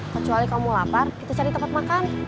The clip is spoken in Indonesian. kecuali kamu lapar itu cari tempat makan